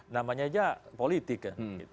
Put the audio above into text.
namanya saja politik kan